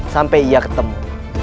sampai ia ketemu